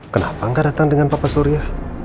kenapa enggak datang dengan papa surya